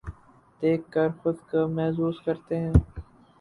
دیکھ کر خود کو محظوظ کرتے ہیں